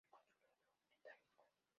El Consulado británico.